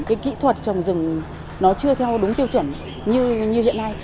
cái kỹ thuật trồng rừng nó chưa theo đúng tiêu chuẩn như hiện nay